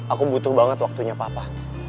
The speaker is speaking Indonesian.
aku butuh banget waktunya papa